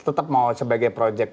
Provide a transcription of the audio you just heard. tetap mau sebagai project